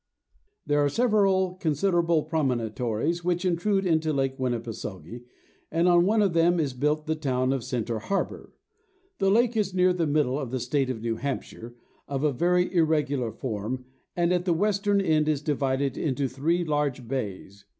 There are several considerable promontories which intrude into Lake Winipiseogee, and on one of them is built the town of Centre Harbour. The lake is near the middle of the state of New Hampshire, of a very irregular form, and at the western end is divided into three large bays.